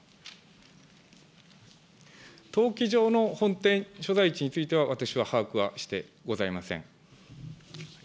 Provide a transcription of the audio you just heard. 登記上の本店所在地については、私は把握はしてございません。